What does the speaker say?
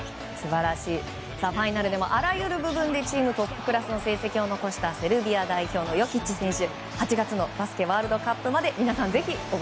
ファイナルでも、あらゆる部分でチームトップクラスの成績を残したセルビア代表のヨキッチ選手。